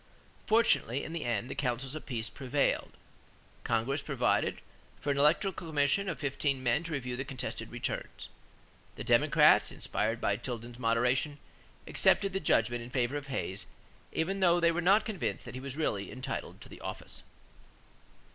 Fortunately, in the end, the counsels of peace prevailed. Congress provided for an electoral commission of fifteen men to review the contested returns. The Democrats, inspired by Tilden's moderation, accepted the judgment in favor of Hayes even though they were not convinced that he was really entitled to the office.